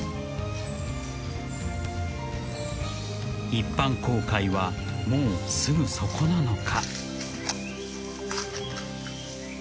［一般公開はもうすぐそこなのか］